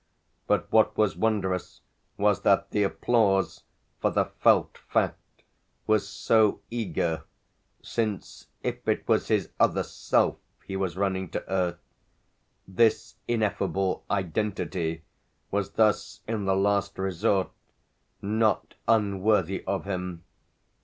But what was wondrous was that the applause, for the felt fact, was so eager, since, if it was his other self he was running to earth, this ineffable identity was thus in the last resort not unworthy of him.